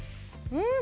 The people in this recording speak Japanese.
うん！